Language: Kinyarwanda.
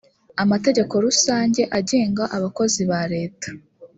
amategeko rusange agenga abakozi ba leta